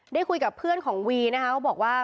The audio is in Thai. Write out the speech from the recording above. ได้คุยกับเพื่อนของวีนะคะเขาบอกว่า